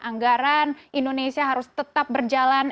anggaran indonesia harus tetap berjalan